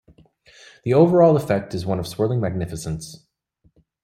The overall effect is one of swirling magnificence.